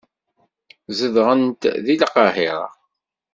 Zedɣent deg Lqahira.